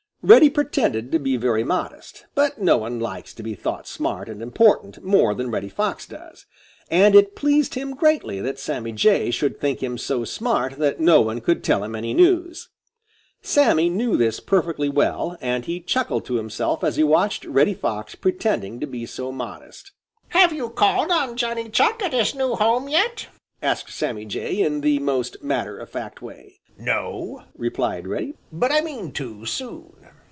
Reddy pretended to be very modest; but no one likes to be thought smart and important more than Reddy Fox does, and it pleased him greatly that Sammy Jay should think him so smart that no one could tell him any news. Sammy knew this perfectly well, and he chuckled to himself as he watched Reddy Fox pretending to be so modest. "Have you called on Johnny Chuck at his new home yet?" asked Sammy Jay, in the most matter of fact way. "No," replied Reddy, "but I mean to, soon."